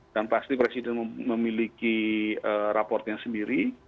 dan pasti presiden memiliki raportnya sendiri